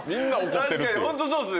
確かにホントそうですね。